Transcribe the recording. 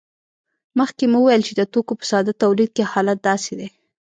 مخکې مو وویل چې د توکو په ساده تولید کې حالت داسې دی